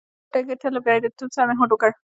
څلورم ټولګي ته له بریالیتوب سره مې هوډ وکړ.